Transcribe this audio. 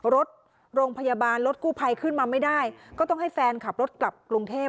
รถโรงพยาบาลรถกู้ภัยขึ้นมาไม่ได้ก็ต้องให้แฟนขับรถกลับกรุงเทพ